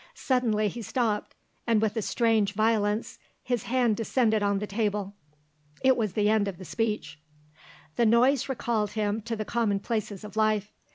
Suddenly he stopped, and with a strange violence his hand descended on the table. It was the end of the speech. The noise recalled him to the commonplaces of life.